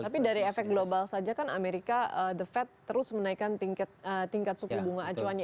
tapi dari efek global saja kan amerika the fed terus menaikkan tingkat suku bunga acuannya